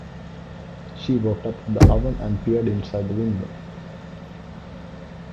She walked up to the oven and peered inside the window